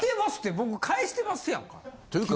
僕返してますやんか。というか。